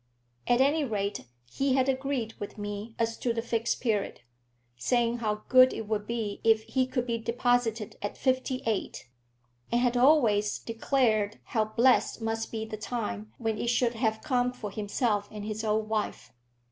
At any rate he had agreed with me as to the Fixed Period, saying how good it would be if he could be deposited at fifty eight, and had always declared how blessed must be the time when it should have come for himself and his old wife.